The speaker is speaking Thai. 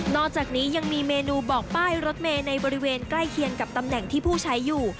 อกจากนี้ยังมีเมนูบอกป้ายรถเมย์ในบริเวณใกล้เคียงกับตำแหน่งที่ผู้ใช้อยู่